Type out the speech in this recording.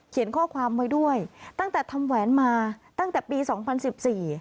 ข้อความไว้ด้วยตั้งแต่ทำแหวนมาตั้งแต่ปีสองพันสิบสี่